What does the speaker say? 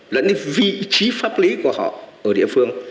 lẫn đến vị trí pháp lý của họ ở địa phương